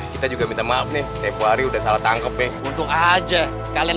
kita juga minta maaf nih tepuh hari udah salah tangkep untuk aja kalian